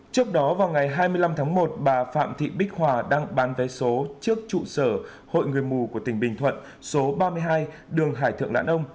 trước đó vào ngày hai mươi năm tháng một bà phạm thị bích hòa đang bán vé số trước trụ sở hội người mù của tỉnh bình thuận số ba mươi hai đường hải thượng lãn ông